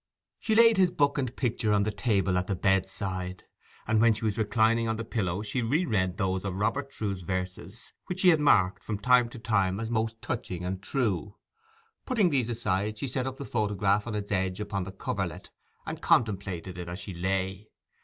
She laid his book and picture on the table at the bedside, and when she was reclining on the pillow she re read those of Robert Trewe's verses which she had marked from time to time as most touching and true. Putting these aside, she set up the photograph on its edge upon the coverlet, and contemplated it as she lay.